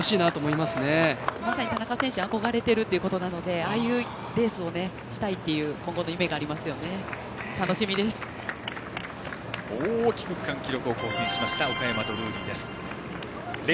まさに田中選手を憧れているということなのでああいうレースをしたいという今後の夢がありますよね大きく区間記録を更新した岡山のドルーリー。